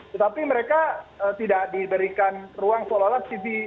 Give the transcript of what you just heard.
tetapi mereka tidak diberikan ruang seolah olah tv